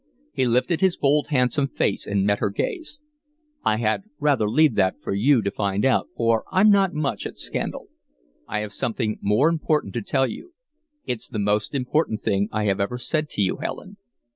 He lifted his bold, handsome face and met her gaze. "I had rather leave that for you to find out, for I'm not much at scandal. I have something more important to tell you. It's the most important thing I have ever said to you, Helen."